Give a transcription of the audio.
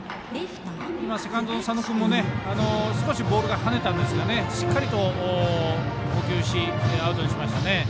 セカンドの佐野君も少しボールが跳ねたんですがしっかりと、捕球しアウトにしましたね。